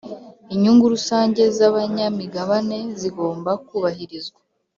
inyungu rusange zabanyamigabane zigomba kubahirizwa